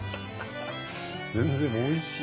全然おいしい。